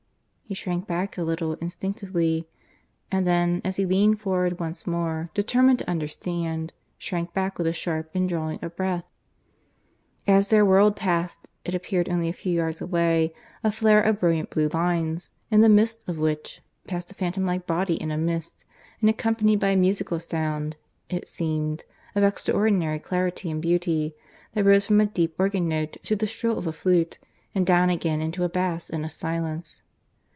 He shrank back a little, instinctively; and then, as he leaned forward once more, determined to understand, shrank back with a sharp indrawing of breath, as there whirled past, it appeared only a few yards away, a flare of brilliant blue lines, in the midst of which passed a phantom like body in a mist and accompanied by a musical sound (it seemed) of extraordinary clarity and beauty, that rose from a deep organ note to the shrill of a flute, and down again Into a bass and a silence.